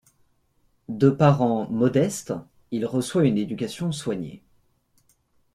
De parents modestes, il reçoit une éducation soignée.